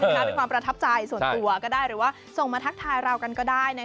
เป็นความประทับใจส่วนตัวก็ได้หรือว่าส่งมาทักทายเรากันก็ได้